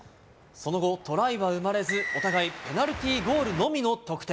その後、トライは生まれず、お互いペナルティーゴールのみの得点。